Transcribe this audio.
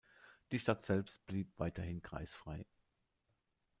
Die Stadt selbst blieb weiterhin kreisfrei.